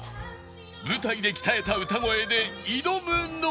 舞台で鍛えた歌声で挑むのは